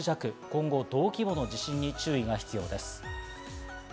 今後、同規模の地震に注意が必要です。